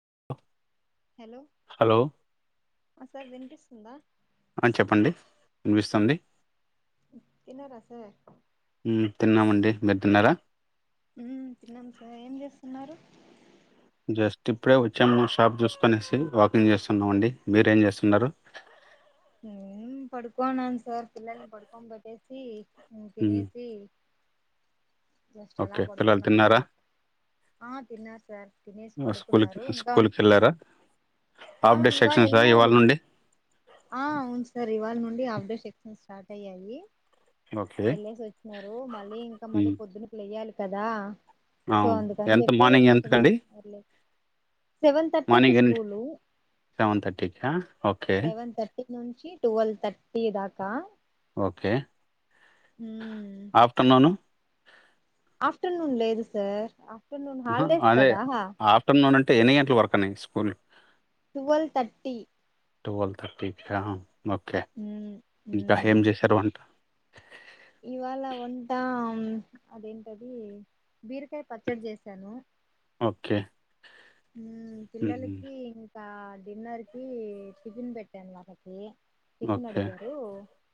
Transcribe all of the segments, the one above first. [inaudible] Hello hello ఆ sir వినిపిస్తుందా ఆ చెప్పండి వినిపిస్తుంది తిన్నారా సార్ తిన్నామండి మీరు తిన్నారా ఉమ్మ్ తిన్నాం సార్ ఏం చేస్తున్నారు జస్ట్ ఇప్పుడే వచ్చాము షాప్ చూసుకొనేసి వాకింగ్ చేస్తున్నామండి మీరేం చేస్తున్నారు హుమ్మ్ పడుకోనాను సార్ పిల్లల్ని పడుకోన్ పేట్టేసి ఉమ్మ్ మ్ తినేసి జస్ట్ ఎలా ఓకే పిల్లలు పడుకున్నాం తిన్నారా అనమాట ఆ తిన్నారు సార్ తినేసి స్కూల్ కి పడుకున్నారు ఇంకా స్కూల్కి వెళ్ళారా ఆ హాఫ్ డే ఇవాళ సెక్షన్సా ఇవాళ ఎల్లారూ నుండి ఆ అవును సార్ ఇవాళ నుండి ఆఫ్ డే సెక్షన్స్ స్టార్ట్ అయ్యాయి ఓకే ఏళ్లేసి వచ్చినారు మళ్ళీ ఇంకా మళ్ళీ మ్ పొద్దున్నకి లేయ్యాలి కదా సో అవును అందుకని ఎంత చెప్పి మార్నింగ్ కొంచెం ఎంతకండి [inaudible] సెవెన్ థర్టీకి మార్నింగ్ ఇన్నిటిక్ స్కూలు సెవెన్ థర్టీ కా సెవెన్ థర్టీ నుంచి టువేల్ థర్టీ దాకా ఓకే మ్మ్ ఆఫ్టర్నూను ఆఫ్టర్నూన్ లేదు సార్ ఆఫ్టర్నూన్ అహా హాలిడేస్ అదే కదా ఆఫ్టర్నూన్ అన్ ఎన్ని గంటల్ వరకని స్కూల్ టువేల్ థర్టీ టువేల్ థర్టీకా ఓకే మ్మ్ ఇంకా మ్మ్ ఏం చేశారు వంట ఇవాళ వంట అదేంటది బీరకాయ పచ్చడి చేసాను ఓకే హ మ్ పిల్లలకి ఇ డిన్నర్ కి టిఫిన్ పెట్టాను వాళ్ళకి టిఫిన్ ఓకే అడిగారు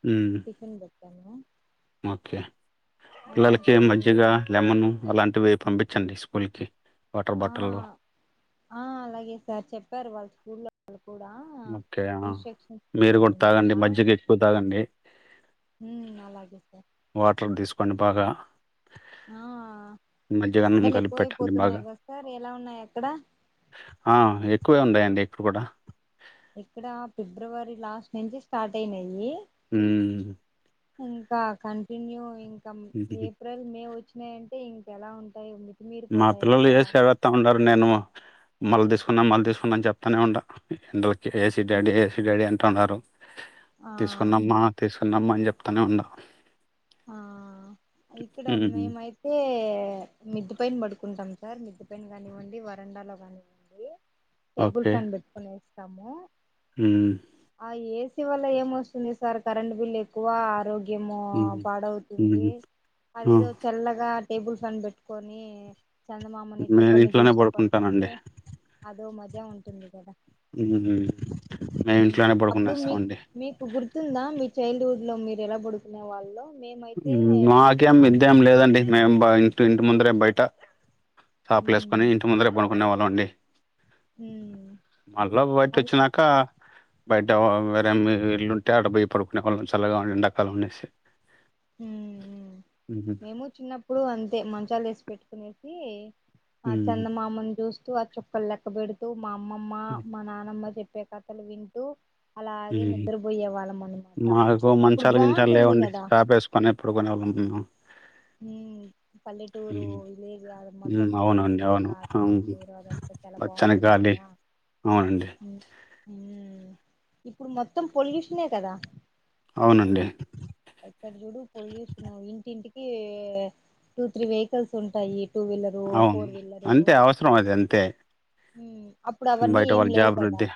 హ్మ్. టిఫిన్ బట్ [inaudible] ఓకే పిల్లలకి సో మజ్జిగా లెమన్ అలాంటివి పంపించండి స్కూల్ కి ఆ ఆ అలాగే సార్ చెప్పారు వాళ్ళు స్కూల్ లో కూడా ఓకే. ఆ! ఇన్స్ట్రక్షన్స్ మీరు గూడా ఇచ్చారనమాట తాగండి. మజ్జిగ ఎక్కువ తాగండి. హు అలాగే సార్ వాటర్ తీసుకొండి బాగా ఆ మజ్జిగాన్నం ఎండలు కలిపిపెట్టండి బాగా ఎక్కువైపోతున్నాయి కదా సార్ ఎలా ఉన్నాయి అక్కడ ఆ ఎక్కువే ఉన్నాయండి ఇప్పుడు కూడా ఇక్కడ ఫిబ్రవరి లాస్ట్ నుంచి స్టార్ట్ అయినాయి ఉ ఇంకా కంటిన్యూ ఇంకా హుహుహు. ఏప్రిల్ మే వచ్చి అంటే ఇంకెలా ఉంటాయి మా మితిమీరిపోతాయి పిల్లలు అప్పుడు ఏసేవస్తా ఉండారు నేను మళ్ళ తీసుకున్నాం మళ్ళ తీసుకున్నాం అని చెప్తానే ఉంటా ఎండల ఏసి డాడి ఏసి డాడి అన్ ంటున్నారు ఆ తీసుకున్నామ్మా తీసు కున్నమ్మ అని చెప్తానే ఉండా ఆ ఇక్కడ మేమైతే మిద్దు పైన పడుకుంటాం సార్ మిద్దు పైన కానివ్వండి వరండాలో కానివ్వండి టేబుల్ ఫ్యాన్ పెట్కునేసీ తము ఉం సీ వల్ల ఏమస్తుంది సార్ కరెట్ బిల్ ఎక్కువ ఆరోగ్య ఏమ్మో హ్మ్. అవుతుంది హ్మ్. ఆ! అదేదో చల్లగా టేబుల్ ఫ్యాన్ పెట్టుకొని చందమామని నేను చుక్కల్ని ఇంట్లోనే చూస్తూ పడుకుంటే పడుకుంటానండి అదో మ గా ఉంటుంది కదా ఊమ్ మేము ఉమ్, ఇంట్లోనే అప్పుడు మీ పడుకునేస్తామండి ఇంట్లో మీరు ఎలా పడుకునే వాల్లో మాకేం మిద్దేం లేదండి మేమ్ బ ఇటి ఇంటి ముందరే బయట ఉమ్, సప్లెసుకొని ఇంటి ముందరే బ కొన్నవాళ్ళమ్ అండి ఉమ్, మళ్ళా బయట అది వచ్చినాక బయట వేరే మి ఇల్లుంటే ఆడ పోయి పడుకునే వాళ్ళం సల్లగా ఉ ఎండాకాలం అనేసి ఊమ్ మ్ హ్మ్. మేము చిన్నప్పుడు అంతే మంచాలు వేసి పెట్టుకునే ది ఆ హ్మ్. చందమామన్ జూస్ తో ఆ చొక్కల్ లెక్కబెడుతూ మా అమ్మమ్మ మా నానమ్మ చెప్ ప్పే కథలు వింటూ అలాగే ఉహుం నిద్రపోయే వాళ్ళం అనమాట మాకు అప్పుడు మంచాలు గించాలు బాగుంటుంది లేవండి కదా చాప ఎసుకొనే పడుకునేళ్ళం మేము ఉమ్ పల్లెటూరు హ్మ్. విలేజ్ అది హ్మ్. మొత్తం అవునండి బాగుంటుంది కదా అవును అవును. అట్మస్పియర్ అదంతా చాలా పచ్చని బాగుంటుంది గాలి కదా అవునండి ఉ ఊమ్ ఇప్పుడు మొత్తం పొల్యూషనే కదా అవునండి అక్కడ జుడు పొల్యూషన్ ఇంటి ఇంటి టూ త్రీ వెహికల్స్ ఉంటాయి టూ వీలరు అవును ఫోర్ అంతే అవసరం అది అంతే ఈ అప్పుడు అవన్నీ బయట ఏం వాళ్ళ లేవు జాబ్ కదా వృద్ధి.